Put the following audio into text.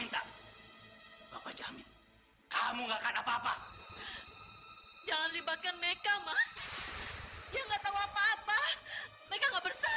kamu mau jadi apa kalau gak mau sekolah